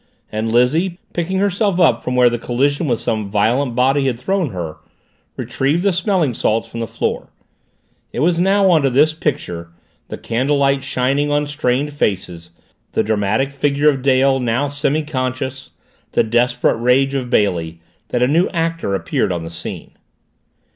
And Lizzie, picking herself up from where the collision with some violent body had thrown her, retrieved the smelling salts from the floor. It was onto this picture, the candlelight shining on strained faces, the dramatic figure of Dale, now semi conscious, the desperate rage of Bailey, that a new actor appeared on the scene.